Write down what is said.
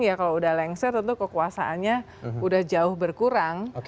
ya kalau sudah lengser tentu kekuasaannya sudah jauh berkurang